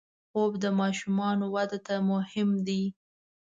خوب د ماشومانو وده ته مهم دی